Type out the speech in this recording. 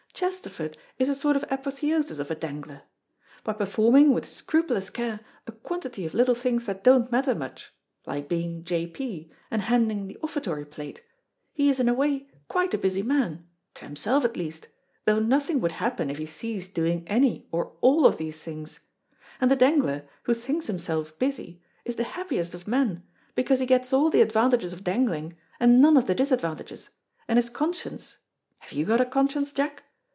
Chesterford is a sort of apotheosis of a dangler. By performing, with scrupulous care, a quantity of little things that don't matter much, like being J.P., and handing the offertory plate, he is in a way quite a busy man, to himself at least, though nothing would happen if he ceased doing any or all of these things; and the dangler, who thinks himself busy, is the happiest of men, because he gets all the advantages of dangling, and none of the disadvantages, and his conscience have you got a conscience, Jack?